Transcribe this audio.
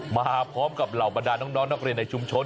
มาพร้อมกับเหล่าบรรดาน้องนักเรียนในชุมชน